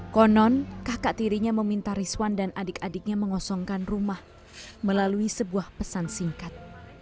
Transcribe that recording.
konon kakak tirinya meminta rizwan dan adik adiknya mengosongkan rumah melalui sebuah pesan singkat